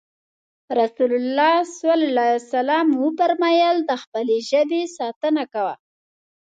رسول الله ص وفرمايل د خپلې ژبې ساتنه کوه.